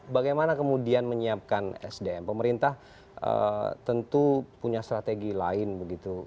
bagaimana kemudian menyiapkan sdm pemerintah tentu punya strategi lain begitu